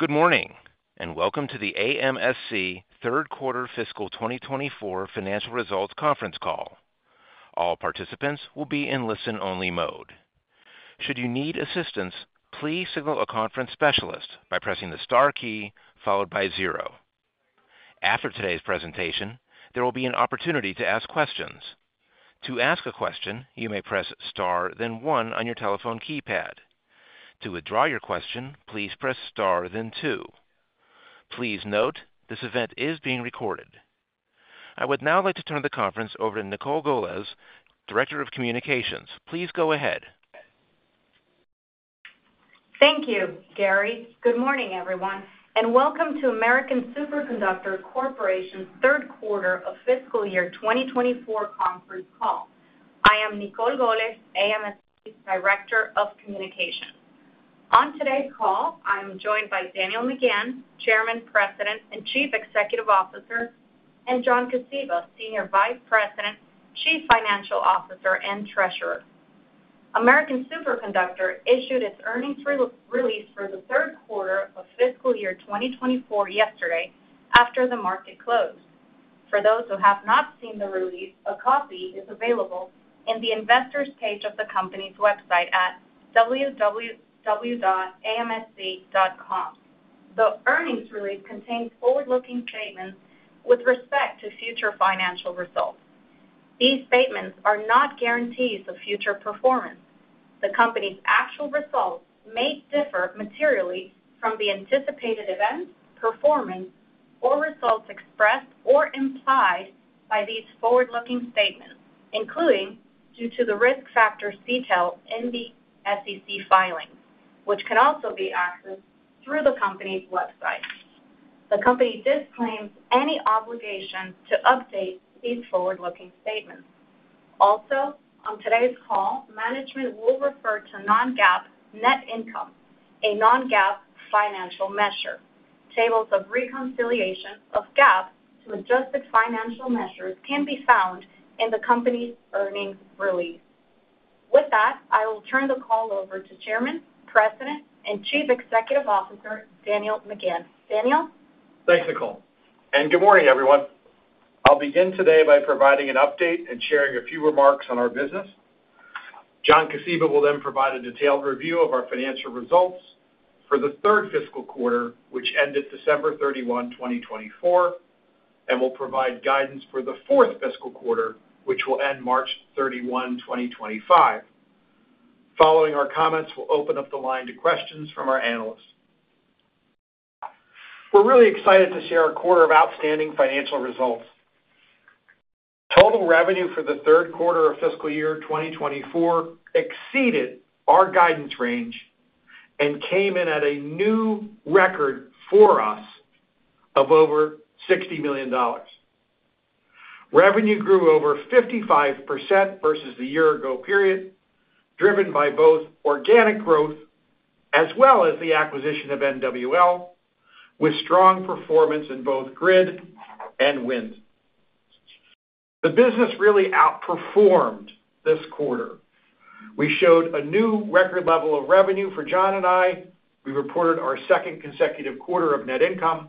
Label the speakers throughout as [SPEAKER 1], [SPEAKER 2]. [SPEAKER 1] Good morning, and welcome to the AMSC Third Quarter Fiscal 2024 Financial Results Conference Call. All participants will be in listen-only mode. Should you need assistance, please signal a conference specialist by pressing the star key followed by zero. After today's presentation, there will be an opportunity to ask questions. To ask a question, you may press star, then one on your telephone keypad. To withdraw your question, please press star, then two. Please note this event is being recorded. I would now like to turn the conference over to Nicol Golez, Director of Communications. Please go ahead.
[SPEAKER 2] Thank you, Gary. Good morning, everyone, and welcome to American Superconductor Corporation's Third Quarter of Fiscal Year 2024 Conference Call. I am Nicol Golez, AMSC Director of Communications. On today's call, I am joined by Daniel McGahn, Chairman, President, and Chief Executive Officer, and John Kosiba, Senior Vice President, Chief Financial Officer, and Treasurer. American Superconductor issued its earnings release for the third quarter of Fiscal Year 2024 yesterday after the market closed. For those who have not seen the release, a copy is available in the Investors' page of the company's website at www.amsc.com. The earnings release contains forward-looking statements with respect to future financial results. These statements are not guarantees of future performance. The company's actual results may differ materially from the anticipated events, performance, or results expressed or implied by these forward-looking statements, including due to the risk factors detailed in the SEC filings, which can also be accessed through the company's website. The company disclaims any obligation to update these forward-looking statements. Also, on today's call, management will refer to non-GAAP net income, a non-GAAP financial measure. Tables of reconciliation of GAAP to adjusted financial measures can be found in the company's earnings release. With that, I will turn the call over to Chairman, President, and Chief Executive Officer, Daniel McGahn. Daniel?
[SPEAKER 3] Thanks, Nicol, and good morning, everyone. I'll begin today by providing an update and sharing a few remarks on our business. John Kosiba will then provide a detailed review of our financial results for the third fiscal quarter, which ended December 31, 2024, and will provide guidance for the fourth fiscal quarter, which will end March 31, 2025. Following our comments, we'll open up the line to questions from our analysts. We're really excited to share a quarter of outstanding financial results. Total revenue for the third quarter of Fiscal Year 2024 exceeded our guidance range and came in at a new record for us of over $60 million. Revenue grew over 55% versus the year-ago period, driven by both organic growth as well as the acquisition of NWL, with strong performance in both grid and wind. The business really outperformed this quarter. We showed a new record level of revenue for John and I. We reported our second consecutive quarter of net income.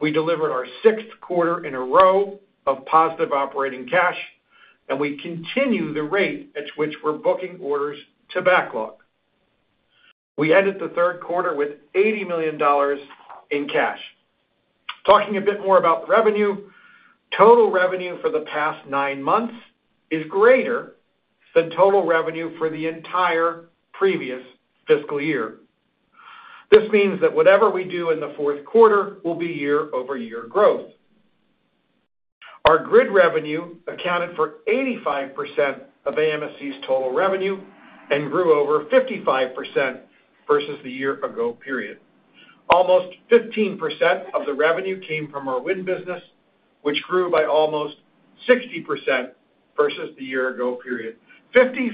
[SPEAKER 3] We delivered our sixth quarter in a row of positive operating cash, and we continue the rate at which we're booking orders to backlog. We ended the third quarter with $80 million in cash. Talking a bit more about revenue, total revenue for the past nine months is greater than total revenue for the entire previous fiscal year. This means that whatever we do in the fourth quarter will be year-over-year growth. Our grid revenue accounted for 85% of AMSC's total revenue and grew over 55% versus the year-ago period. Almost 15% of the revenue came from our wind business, which grew by almost 60% versus the year-ago period. 55%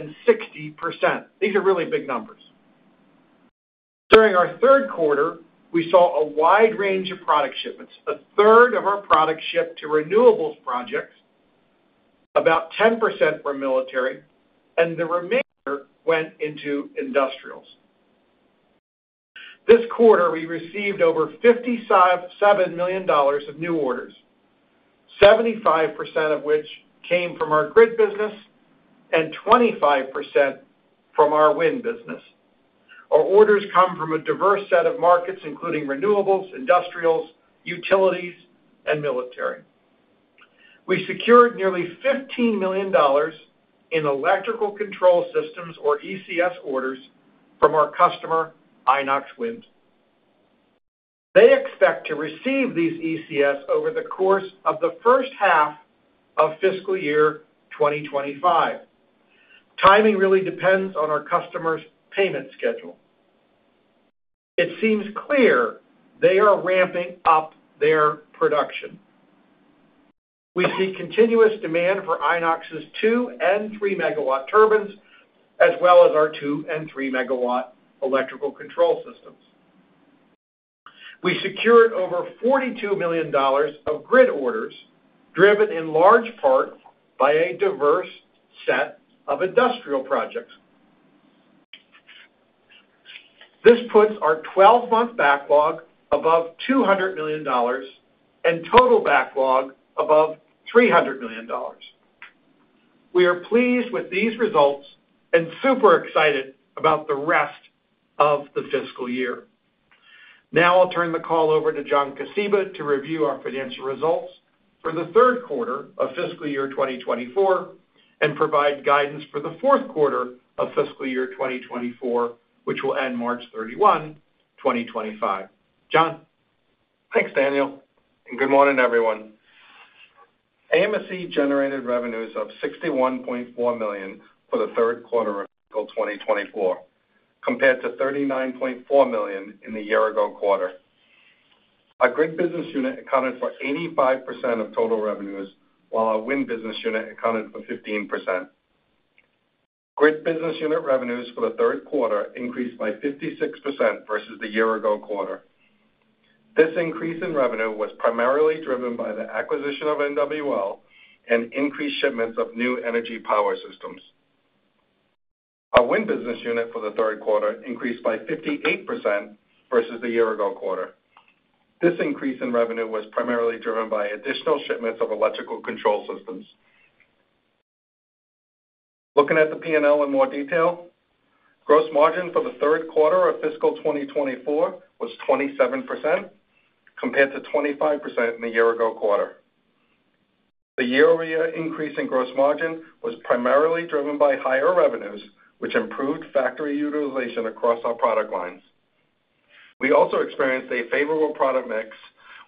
[SPEAKER 3] and 60%, these are really big numbers. During our third quarter, we saw a wide range of product shipments. A third of our product shipped to renewables projects, about 10% were military, and the remainder went into industrials. This quarter, we received over $57 million of new orders, 75% of which came from our grid business and 25% from our wind business. Our orders come from a diverse set of markets, including renewables, industrials, utilities, and military. We secured nearly $15 million in electrical control systems, or ECS, orders from our customer, Inox Wind. They expect to receive these ECS over the course of the first half of Fiscal Year 2025. Timing really depends on our customer's payment schedule. It seems clear they are ramping up their production. We see continuous demand for Inox's two- and three-megawatt turbines, as well as our two- and three-megawatt electrical control systems. We secured over $42 million of grid orders, driven in large part by a diverse set of industrial projects. This puts our 12-month backlog above $200 million and total backlog above $300 million. We are pleased with these results and super excited about the rest of the fiscal year. Now I'll turn the call over to John Kosiba to review our financial results for the third quarter of Fiscal Year 2024 and provide guidance for the fourth quarter of Fiscal Year 2024, which will end March 31, 2025. John?
[SPEAKER 4] Thanks, Daniel. Good morning, everyone. AMSC generated revenues of $61.4 million for the third quarter of Fiscal 2024, compared to $39.4 million in the year-ago quarter. Our grid business unit accounted for 85% of total revenues, while our wind business unit accounted for 15%. Grid business unit revenues for the third quarter increased by 56% versus the year-ago quarter. This increase in revenue was primarily driven by the acquisition of NWL and increased shipments of new energy power systems. Our wind business unit for the third quarter increased by 58% versus the year-ago quarter. This increase in revenue was primarily driven by additional shipments of electrical Control Systems. Looking at the P&L in more detail, gross margin for the third quarter of Fiscal 2024 was 27%, compared to 25% in the year-ago quarter. The year-over-year increase in gross margin was primarily driven by higher revenues, which improved factory utilization across our product lines. We also experienced a favorable product mix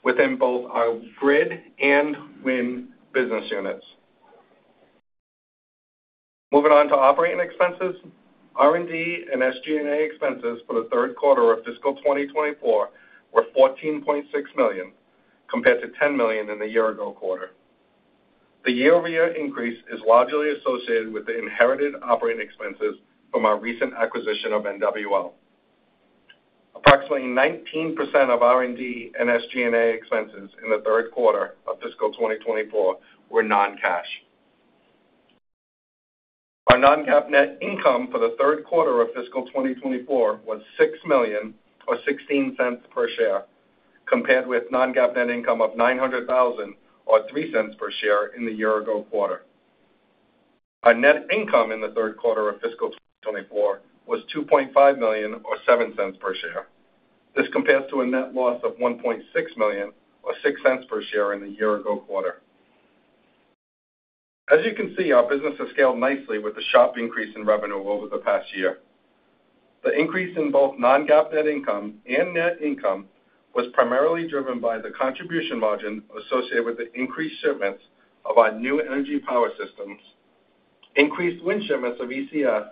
[SPEAKER 4] within both our grid and wind business units. Moving on to operating expenses, R&D and SG&A expenses for the third quarter of Fiscal 2024 were $14.6 million, compared to $10 million in the year-ago quarter. The year-over-year increase is largely associated with the inherited operating expenses from our recent acquisition of NWL. Approximately 19% of R&D and SG&A expenses in the third quarter of Fiscal 2024 were non-cash. Our non-GAAP net income for the third quarter of Fiscal 2024 was $6 million or $0.16 per share, compared with non-GAAP net income of $900,000 or $0.03 per share in the year-ago quarter. Our net income in the third quarter of Fiscal 2024 was $2.5 million or $0.07 per share. This compares to a net loss of $1.6 million or $0.06 per share in the year-ago quarter. As you can see, our business has scaled nicely with the sharp increase in revenue over the past year. The increase in both non-GAAP net income and net income was primarily driven by the contribution margin associated with the increased shipments of our New Energy Power Systems, increased wind shipments of ECS,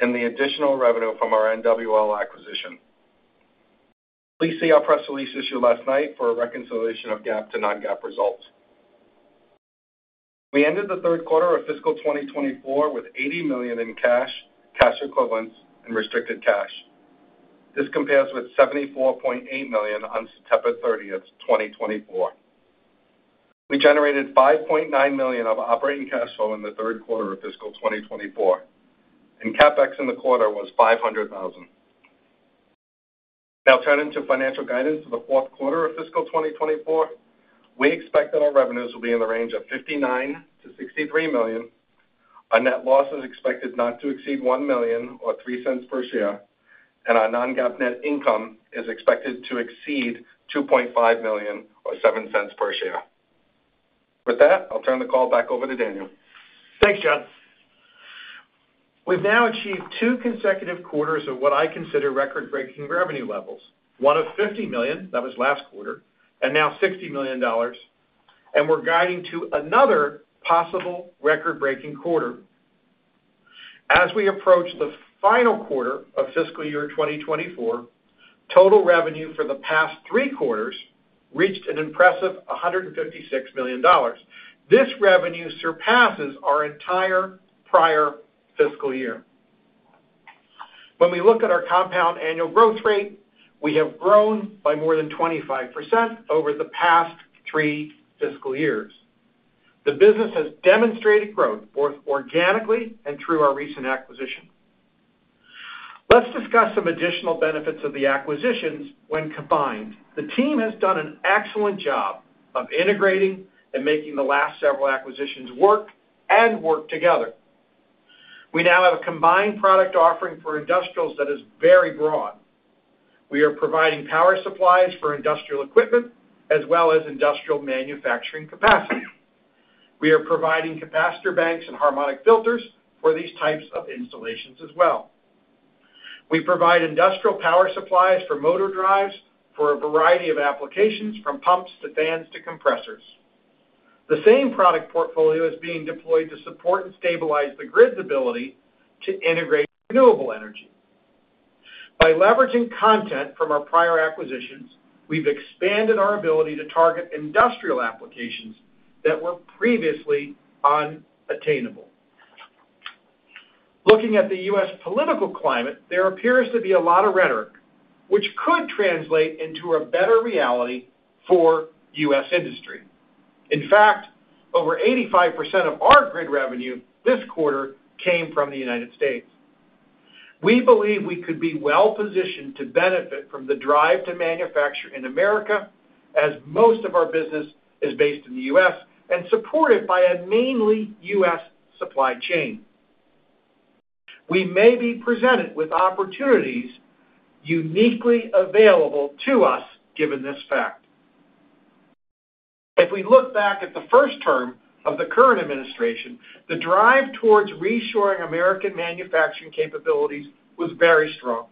[SPEAKER 4] and the additional revenue from our NWL acquisition. Please see our press release issued last night for a reconciliation of GAAP to non-GAAP results. We ended the third quarter of Fiscal 2024 with $80 million in cash, cash equivalents, and restricted cash. This compares with $74.8 million on September 30, 2024. We generated $5.9 million of operating cash flow in the third quarter of Fiscal 2024, and CapEx in the quarter was $500,000. Now turning to financial guidance for the fourth quarter of Fiscal 2024, we expect that our revenues will be in the range of $59 million-$63 million. Our net loss is expected not to exceed $1 million or $0..03 per share, and our non-GAAP net income is expected to exceed $2.5 million or $0.07 per share. With that, I'll turn the call back over to Daniel.
[SPEAKER 3] Thanks, John. We've now achieved two consecutive quarters of what I consider record-breaking revenue levels, one of $50 million, that was last quarter, and now $60 million, and we're guiding to another possible record-breaking quarter. As we approach the final quarter of Fiscal Year 2024, total revenue for the past three quarters reached an impressive $156 million. This revenue surpasses our entire prior fiscal year. When we look at our compound annual growth rate, we have grown by more than 25% over the past three fiscal years. The business has demonstrated growth both organically and through our recent acquisition. Let's discuss some additional benefits of the acquisitions when combined. The team has done an excellent job of integrating and making the last several acquisitions work and work together. We now have a combined product offering for industrials that is very broad. We are providing power supplies for industrial equipment as well as industrial manufacturing capacity. We are providing capacitor banks and harmonic filters for these types of installations as well. We provide industrial power supplies for motor drives for a variety of applications, from pumps to fans to compressors. The same product portfolio is being deployed to support and stabilize the grid's ability to integrate renewable energy. By leveraging content from our prior acquisitions, we've expanded our ability to target industrial applications that were previously unattainable. Looking at the U.S. political climate, there appears to be a lot of rhetoric, which could translate into a better reality for U.S. industry. In fact, over 85% of our grid revenue this quarter came from the United States. We believe we could be well-positioned to benefit from the drive to manufacture in America, as most of our business is based in the U.S. And supported by a mainly U.S. supply chain. We may be presented with opportunities uniquely available to us, given this fact. If we look back at the first term of the current administration, the drive towards reshoring American manufacturing capabilities was very strong.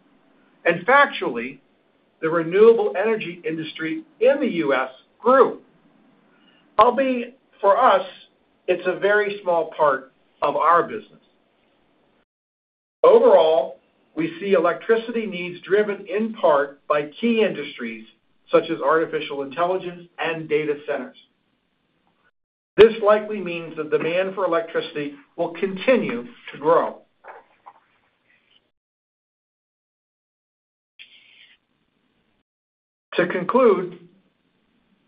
[SPEAKER 3] And factually, the renewable energy industry in the U.S. grew. For us, it's a very small part of our business. Overall, we see electricity needs driven in part by key industries such as artificial intelligence and data centers. This likely means the demand for electricity will continue to grow. To conclude,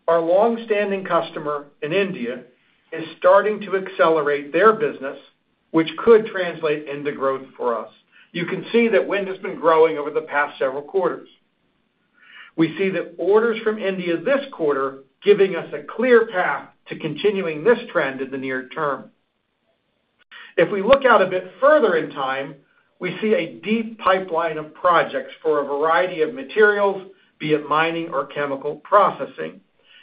[SPEAKER 3] our longstanding customer in India is starting to accelerate their business, which could translate into growth for us. You can see that wind has been growing over the past several quarters. We see the orders from India this quarter giving us a clear path to continuing this trend in the near term. If we look out a bit further in time, we see a deep pipeline of projects for a variety of materials, be it mining or chemical processing,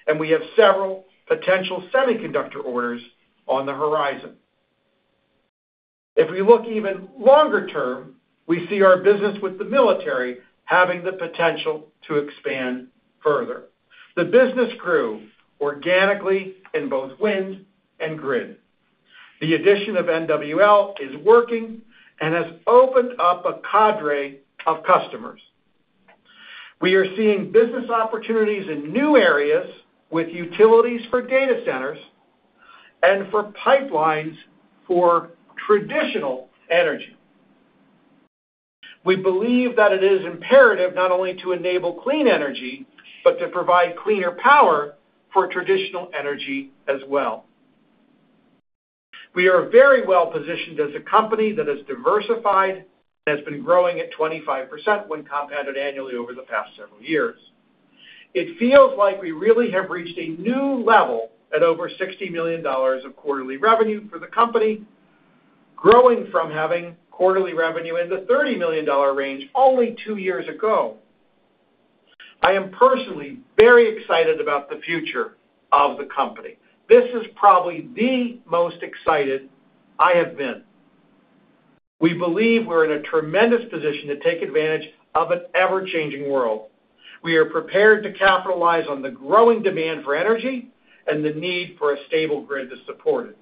[SPEAKER 3] and we have several potential semiconductor orders on the horizon. If we look even longer term, we see our business with the military having the potential to expand further. The business grew organically in both wind and grid. The addition of NWL is working and has opened up a cadre of customers. We are seeing business opportunities in new areas with utilities for data centers and for pipelines for traditional energy. We believe that it is imperative not only to enable clean energy, but to provide cleaner power for traditional energy as well. We are very well-positioned as a company that has diversified and has been growing at 25% when compounded annually over the past several years. It feels like we really have reached a new level at over $60 million of quarterly revenue for the company, growing from having quarterly revenue in the $30 million range only two years ago. I am personally very excited about the future of the company. This is probably the most excited I have been. We believe we're in a tremendous position to take advantage of an ever-changing world. We are prepared to capitalize on the growing demand for energy and the need for a stable grid to support it.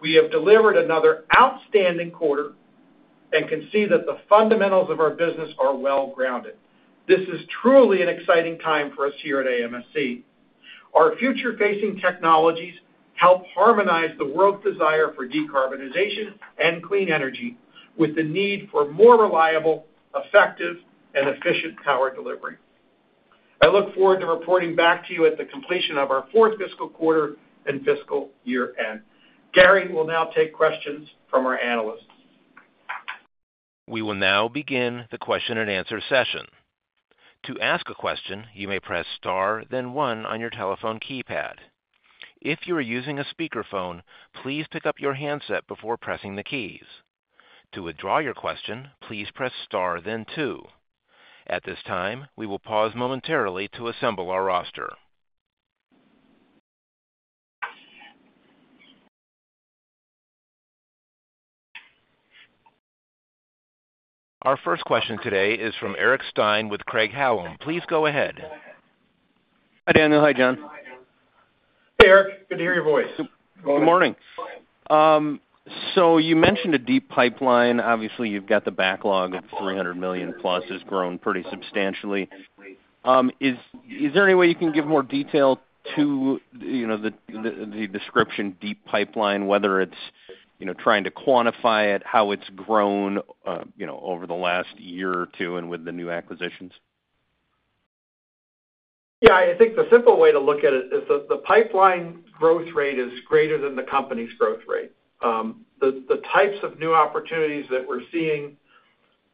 [SPEAKER 3] We have delivered another outstanding quarter and can see that the fundamentals of our business are well-grounded. This is truly an exciting time for us here at AMSC. Our future-facing technologies help harmonize the world's desire for decarbonization and clean energy with the need for more reliable, effective, and efficient power delivery. I look forward to reporting back to you at the completion of our fourth fiscal quarter and fiscal year-end. Gary will now take questions from our analysts.
[SPEAKER 1] We will now begin the question-and-answer session. To ask a question, you may press star, then one on your telephone keypad. If you are using a speakerphone, please pick up your handset before pressing the keys. To withdraw your question, please press star, then two. At this time, we will pause momentarily to assemble our roster. Our first question today is from Eric Stine with Craig-Hallum. Please go ahead.
[SPEAKER 5] Hi, Daniel. Hi, John.
[SPEAKER 3] Hey, Eric. Good to hear your voice.
[SPEAKER 5] Good morning. So you mentioned a deep pipeline. Obviously, you've got the backlog of $300 million plus has grown pretty substantially. Is there any way you can give more detail to the description, deep pipeline, whether it's trying to quantify it, how it's grown over the last year or two and with the new acquisitions?
[SPEAKER 3] Yeah. I think the simple way to look at it is that the pipeline growth rate is greater than the company's growth rate. The types of new opportunities that we're seeing,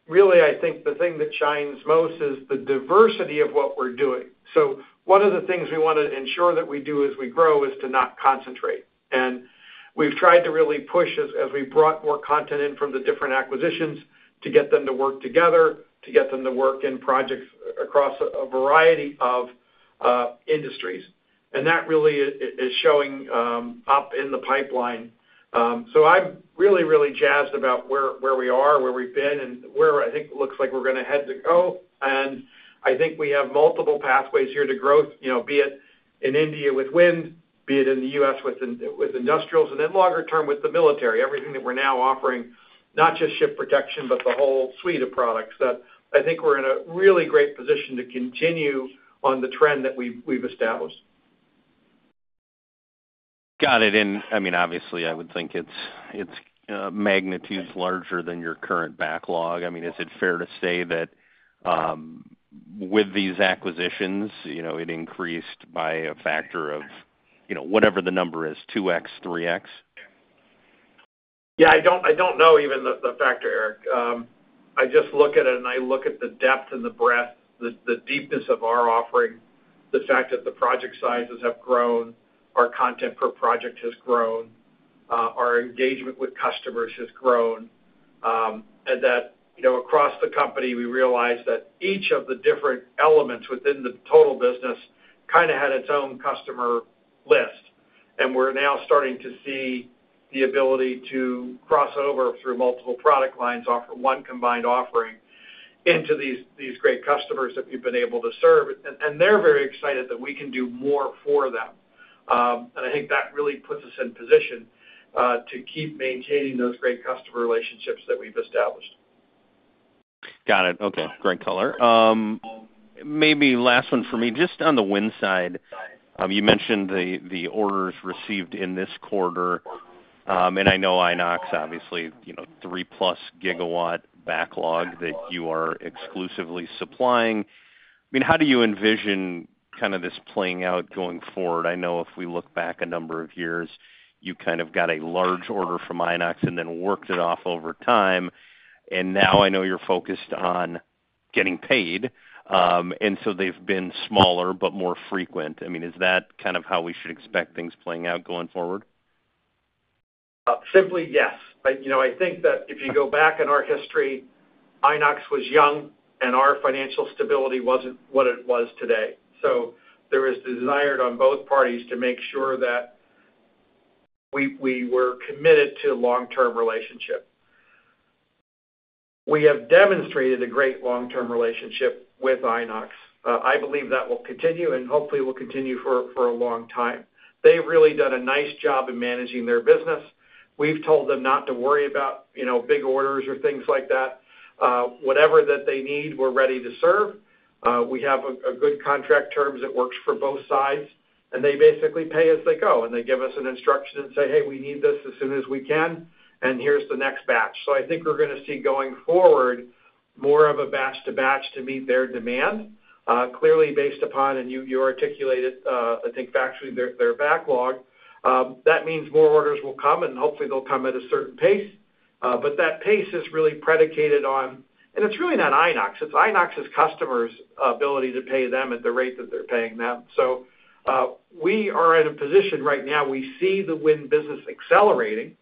[SPEAKER 3] really, I think the thing that shines most is the diversity of what we're doing, so one of the things we want to ensure that we do as we grow is to not concentrate, and we've tried to really push as we brought more content in from the different acquisitions to get them to work together, to get them to work in projects across a variety of industries, and that really is showing up in the pipeline, so I'm really, really jazzed about where we are, where we've been, and where I think it looks like we're going to head to go. And I think we have multiple pathways here to growth, be it in India with wind, be it in the U.S. with industrials, and then longer term with the military. Everything that we're now offering, not just ship protection, but the whole suite of products that I think we're in a really great position to continue on the trend that we've established.
[SPEAKER 5] Got it. And I mean, obviously, I would think its magnitude is larger than your current backlog. I mean, is it fair to say that with these acquisitions, it increased by a factor of whatever the number is, 2x, 3x?
[SPEAKER 3] Yeah. I don't know even the factor, Eric. I just look at it and I look at the depth and the breadth, the deepness of our offering, the fact that the project sizes have grown, our content per project has grown, our engagement with customers has grown, and that across the company, we realize that each of the different elements within the total business kind of had its own customer list. And we're now starting to see the ability to cross over through multiple product lines, offer one combined offering into these great customers that we've been able to serve. And they're very excited that we can do more for them. And I think that really puts us in position to keep maintaining those great customer relationships that we've established.
[SPEAKER 5] Got it. Okay. Great color. Maybe last one for me. Just on the wind side, you mentioned the orders received in this quarter. And I know Inox, obviously, 3-plus gigawatt backlog that you are exclusively supplying. I mean, how do you envision kind of this playing out going forward? I know if we look back a number of years, you kind of got a large order from I and then worked it off over time. And now I know you're focused on getting paid. And so they've been smaller but more frequent. I mean, is that kind of how we should expect things playing out going forward?
[SPEAKER 3] Simply, yes. I think that if you go back in our history, Inox was young and our financial stability wasn't what it was today. So there was desire on both parties to make sure that we were committed to a long-term relationship. We have demonstrated a great long-term relationship with Inox. I believe that will continue and hopefully will continue for a long time. They've really done a nice job in managing their business. We've told them not to worry about big orders or things like that. Whatever that they need, we're ready to serve. We have good contract terms that work for both sides. And they basically pay as they go. They give us an instruction and say, "Hey, we need this as soon as we can, and here's the next batch." So I think we're going to see going forward more of a batch-to-batch to meet their demand. Clearly, based upon, and you articulated, I think, factually their backlog, that means more orders will come, and hopefully they'll come at a certain pace. But that pace is really predicated on, and it's really not Inox. It's Inox's customers' ability to pay them at the rate that they're paying them. So we are in a position right now. We see the wind business accelerating.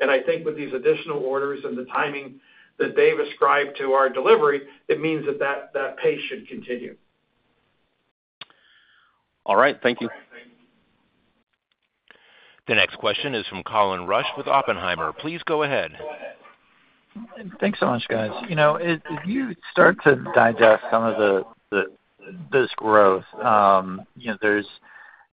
[SPEAKER 3] And I think with these additional orders and the timing that they've ascribed to our delivery, it means that that pace should continue.
[SPEAKER 5] All right. Thank you.
[SPEAKER 1] The next question is from Colin Rusch with Oppenheimer. Please go ahead.
[SPEAKER 6] Thanks so much, guys. If you start to digest some of this growth, there's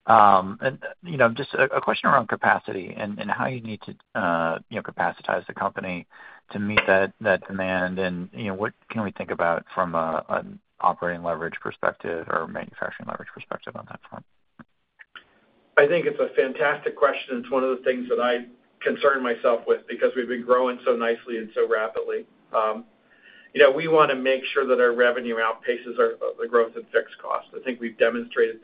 [SPEAKER 6] just a question around capacity and how you need to capacitize the company to meet that demand, and what can we think about from an operating leverage perspective or manufacturing leverage perspective on that front?
[SPEAKER 3] I think it's a fantastic question. It's one of the things that I concern myself with because we've been growing so nicely and so rapidly. We want to make sure that our revenue outpaces the growth in fixed costs. I think we've demonstrated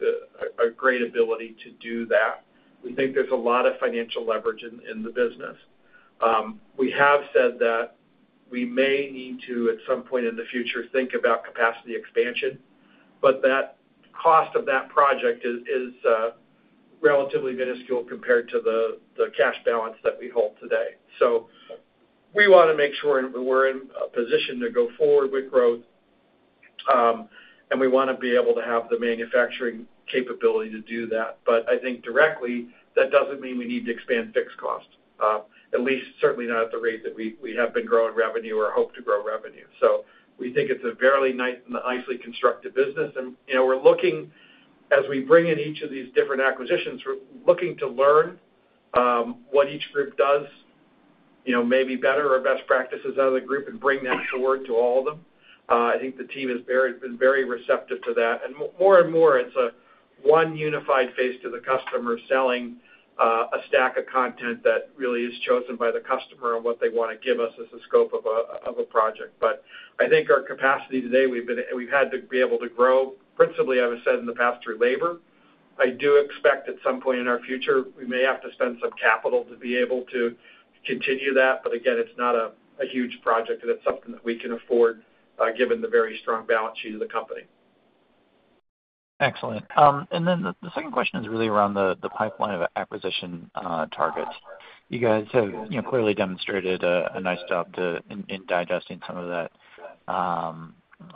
[SPEAKER 3] a great ability to do that. We think there's a lot of financial leverage in the business. We have said that we may need to, at some point in the future, think about capacity expansion, but that cost of that project is relatively minuscule compared to the cash balance that we hold today. So we want to make sure we're in a position to go forward with growth, and we want to be able to have the manufacturing capability to do that. But I think directly, that doesn't mean we need to expand fixed costs, at least certainly not at the rate that we have been growing revenue or hope to grow revenue. So we think it's a fairly nicely constructed business. And we're looking, as we bring in each of these different acquisitions, we're looking to learn what each group does, maybe better or best practices out of the group, and bring that forward to all of them. I think the team has been very receptive to that. And more and more, it's a one unified face to the customer selling a stack of content that really is chosen by the customer and what they want to give us as the scope of a project. But I think our capacity today, we've had to be able to grow, principally, I've said in the past, through labor. I do expect at some point in our future, we may have to spend some capital to be able to continue that. But again, it's not a huge project, and it's something that we can afford given the very strong balance sheet of the company.
[SPEAKER 6] Excellent, and then the second question is really around the pipeline of acquisition targets. You guys have clearly demonstrated a nice job in digesting some of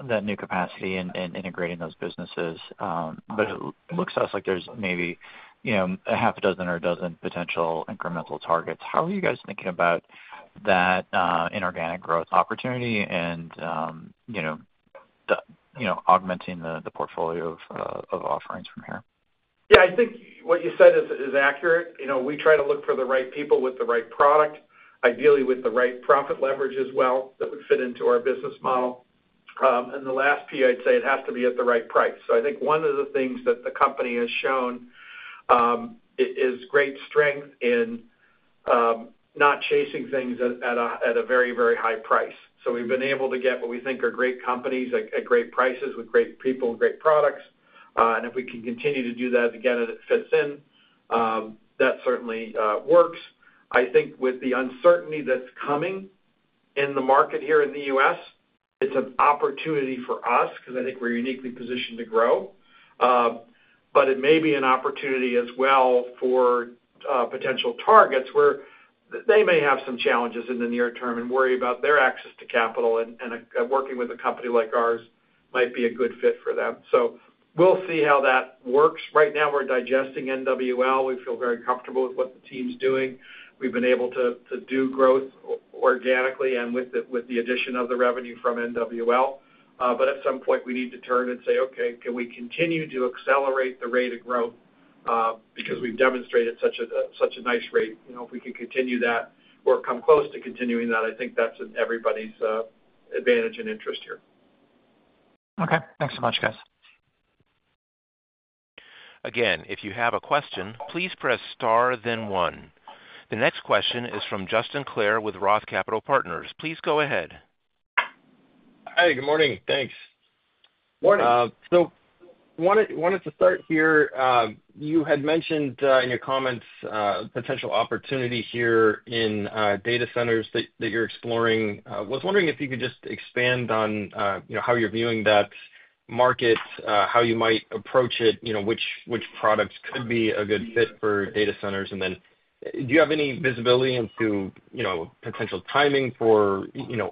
[SPEAKER 6] that new capacity and integrating those businesses, but it looks like there's maybe a half a dozen or a dozen potential incremental targets. How are you guys thinking about that inorganic growth opportunity and augmenting the portfolio of offerings from here?
[SPEAKER 3] Yeah. I think what you said is accurate. We try to look for the right people with the right product, ideally with the right profit leverage as well that would fit into our business model, and the last P, I'd say it has to be at the right price, so I think one of the things that the company has shown is great strength in not chasing things at a very, very high price, so we've been able to get what we think are great companies at great prices with great people and great products, and if we can continue to do that again and it fits in, that certainly works. I think with the uncertainty that's coming in the market here in the U.S., it's an opportunity for us because I think we're uniquely positioned to grow. But it may be an opportunity as well for potential targets where they may have some challenges in the near term and worry about their access to capital. And working with a company like ours might be a good fit for them. So we'll see how that works. Right now, we're digesting NWL. We feel very comfortable with what the team's doing. We've been able to do growth organically and with the addition of the revenue from NWL. But at some point, we need to turn and say, "Okay, can we continue to accelerate the rate of growth?" Because we've demonstrated such a nice rate. If we can continue that or come close to continuing that, I think that's in everybody's advantage and interest here.
[SPEAKER 6] Okay. Thanks so much, guys.
[SPEAKER 1] Again, if you have a question, please press star, then one. The next question is from Justin Clare with Roth Capital Partners. Please go ahead.
[SPEAKER 7] Hi. Good morning. Thanks.
[SPEAKER 3] Morning.
[SPEAKER 7] So I wanted to start here. You had mentioned in your comments potential opportunity here in data centers that you're exploring. I was wondering if you could just expand on how you're viewing that market, how you might approach it, which products could be a good fit for data centers? And then do you have any visibility into potential timing for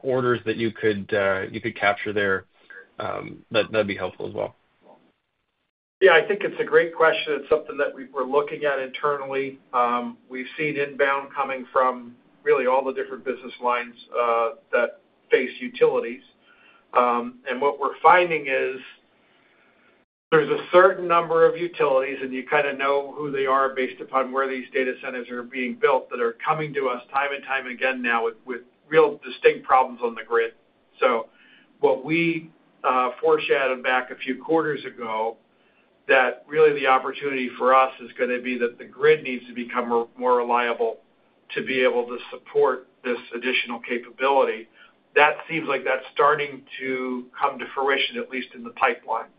[SPEAKER 7] orders that you could capture there? That'd be helpful as well.
[SPEAKER 3] Yeah. I think it's a great question. It's something that we're looking at internally. We've seen inbound coming from really all the different business lines that face utilities. And what we're finding is there's a certain number of utilities, and you kind of know who they are based upon where these data centers are being built that are coming to us time and time again now with real distinct problems on the grid. So what we foreshadowed back a few quarters ago that really the opportunity for us is going to be that the grid needs to become more reliable to be able to support this additional capability. That seems like that's starting to come to fruition, at least in the pipeline.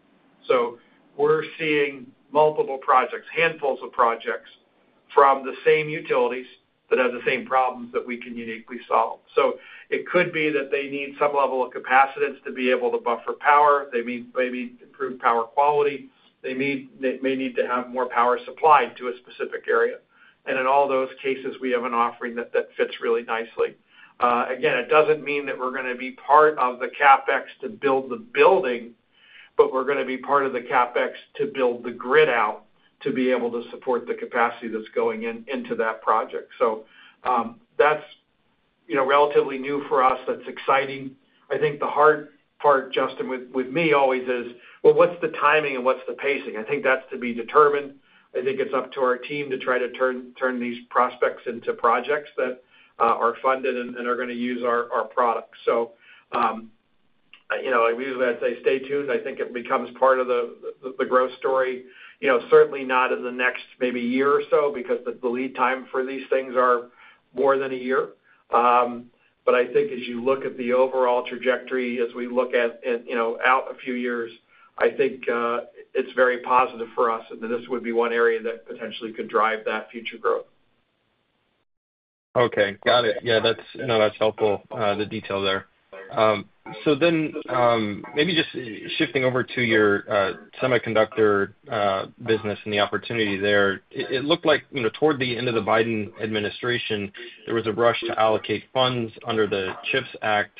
[SPEAKER 3] So we're seeing multiple projects, handfuls of projects from the same utilities that have the same problems that we can uniquely solve. So it could be that they need some level of capacitance to be able to buffer power. They may need improved power quality. They may need to have more power supplied to a specific area. And in all those cases, we have an offering that fits really nicely. Again, it doesn't mean that we're going to be part of the CapEx to build the building, but we're going to be part of the CapEx to build the grid out to be able to support the capacity that's going into that project. So that's relatively new for us. That's exciting. I think the hard part, Justin, with me always is, well, what's the timing and what's the pacing? I think that's to be determined. I think it's up to our team to try to turn these prospects into projects that are funded and are going to use our product. So I usually say stay tuned. I think it becomes part of the growth story. Certainly not in the next maybe year or so because the lead time for these things is more than a year. But I think as you look at the overall trajectory, as we look out a few years, I think it's very positive for us. And this would be one area that potentially could drive that future growth.
[SPEAKER 7] Okay. Got it. Yeah. No, that's helpful, the detail there. So then, maybe just shifting over to your semiconductor business and the opportunity there. It looked like toward the end of the Biden administration, there was a rush to allocate funds under the CHIPS Act.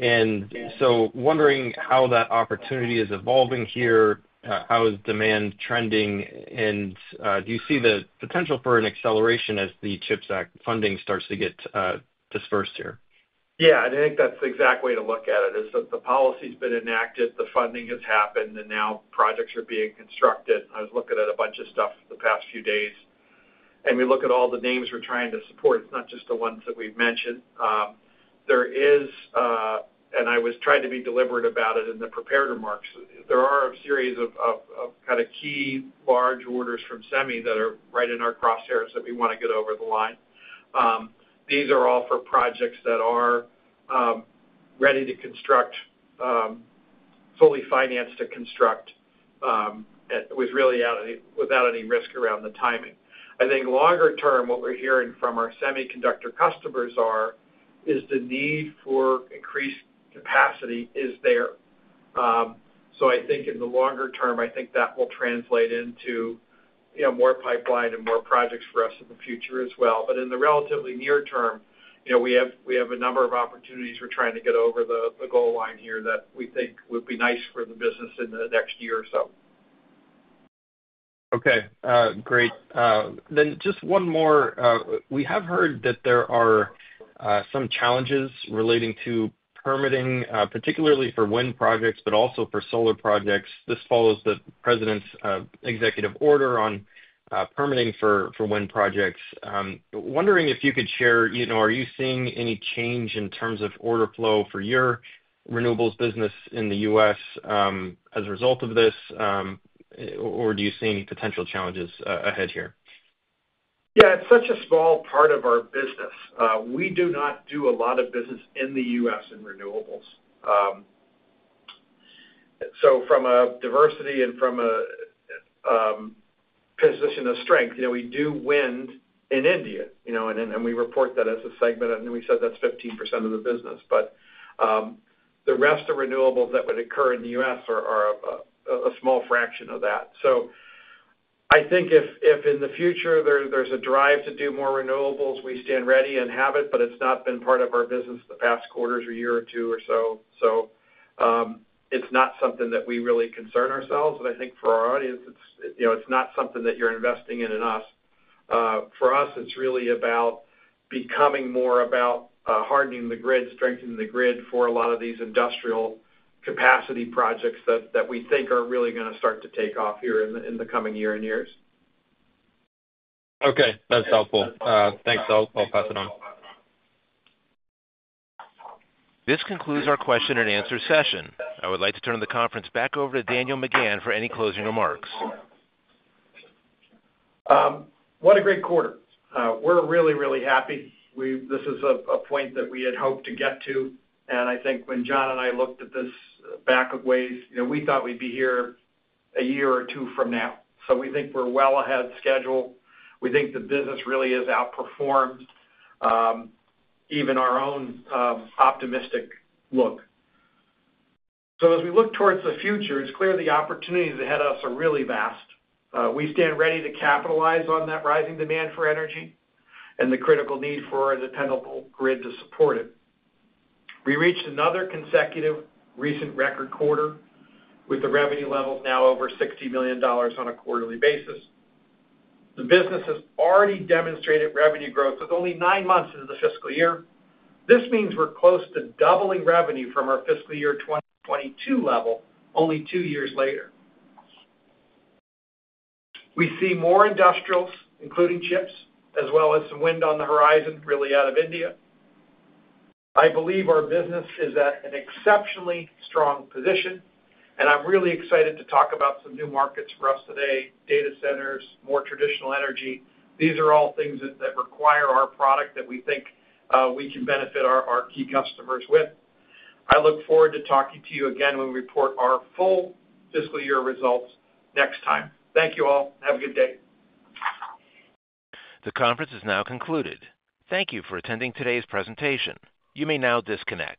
[SPEAKER 7] And so, wondering how that opportunity is evolving here, how is demand trending, and do you see the potential for an acceleration as the CHIPS Act funding starts to get dispersed here?
[SPEAKER 3] Yeah. I think that's the exact way to look at it. The policy has been enacted, the funding has happened, and now projects are being constructed. I was looking at a bunch of stuff the past few days. And we look at all the names we're trying to support. It's not just the ones that we've mentioned. And I was trying to be deliberate about it in the prepared remarks. There are a series of kind of key large orders from semi that are right in our crosshairs that we want to get over the line. These are all for projects that are ready to construct, fully financed to construct, with really without any risk around the timing. I think longer term, what we're hearing from our semiconductor customers is the need for increased capacity is there. So I think in the longer term, I think that will translate into more pipeline and more projects for us in the future as well. But in the relatively near term, we have a number of opportunities. We're trying to get over the goal line here that we think would be nice for the business in the next year or so.
[SPEAKER 7] Okay. Great. Then just one more. We have heard that there are some challenges relating to permitting, particularly for wind projects, but also for solar projects. This follows the president's executive order on permitting for wind projects. Wondering if you could share, are you seeing any change in terms of order flow for your renewables business in the U.S. as a result of this, or do you see any potential challenges ahead here?
[SPEAKER 3] Yeah. It's such a small part of our business. We do not do a lot of business in the U.S. in renewables. So from a diversity and from a position of strength, we do wind in India, and we report that as a segment. And then we said that's 15% of the business. But the rest of renewables that would occur in the U.S. are a small fraction of that. So I think if in the future there's a drive to do more renewables, we stand ready and have it, but it's not been part of our business the past quarter or year or two or so. So it's not something that we really concern ourselves. And I think for our audience, it's not something that you're investing in us. For us, it's really about becoming more about hardening the grid, strengthening the grid for a lot of these industrial capacity projects that we think are really going to start to take off here in the coming year and years.
[SPEAKER 7] Okay. That's helpful. Thanks. I'll pass it on.
[SPEAKER 1] This concludes our question and answer session. I would like to turn the conference back over to Daniel McGahn for any closing remarks.
[SPEAKER 3] What a great quarter. We're really, really happy. This is a point that we had hoped to get to, and I think when John and I looked at this back-of-the-envelope, we thought we'd be here a year or two from now, so we think we're well ahead schedule. We think the business really has outperformed even our own optimistic look, so as we look towards the future, it's clear the opportunities ahead of us are really vast. We stand ready to capitalize on that rising demand for energy and the critical need for the resilient grid to support it. We reached another consecutive record quarter with the revenue levels now over $60 million on a quarterly basis. The business has already demonstrated revenue growth with only nine months into the fiscal year. This means we're close to doubling revenue from our fiscal year 2022 level only two years later. We see more industrials, including chips, as well as some wind on the horizon really out of India. I believe our business is at an exceptionally strong position, and I'm really excited to talk about some new markets for us today: data centers, more traditional energy. These are all things that require our product that we think we can benefit our key customers with. I look forward to talking to you again when we report our full fiscal year results next time. Thank you all. Have a good day.
[SPEAKER 1] The conference is now concluded. Thank you for attending today's presentation. You may now disconnect.